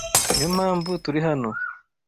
Niyo mpamvu turi hano